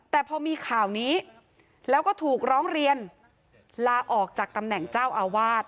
แต่พอมีข่าวนี้แล้วก็ถูกร้องเรียนลาออกจากตำแหน่งเจ้าอาวาส